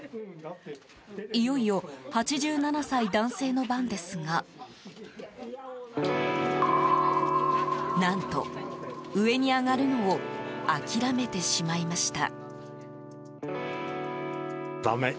いよいよ、８７歳男性の番ですが何と、上に上がるのを諦めてしまいました。